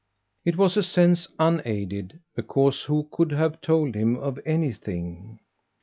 It was a sense unaided, because who could have told him of anything?